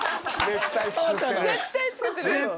絶対作ってる。